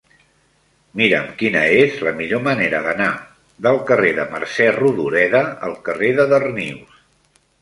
Mira'm quina és la millor manera d'anar del carrer de Mercè Rodoreda al carrer de Darnius.